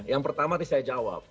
yang pertama tadi saya jawab